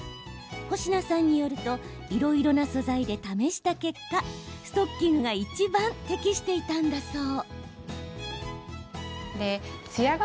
保科さんによるといろいろな素材で試した結果ストッキングがいちばん適していたんだそう。